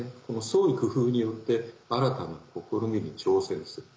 創意工夫によって新たな試みに挑戦する。